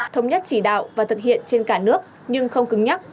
thống nhất chỉ đạo và thực hiện trên cả nước nhưng không cứng nhắc